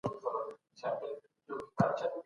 خلک د محتکرینو پر ضد ږغ پورته کوي.